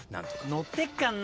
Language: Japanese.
乗ってっかんな